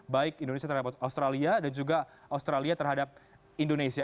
baik indonesia terhadap australia dan juga australia terhadap indonesia